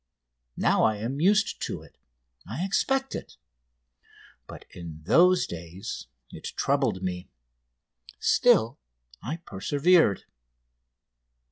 Now I am used to it I expect it. But in those days it troubled me. Still I persevered.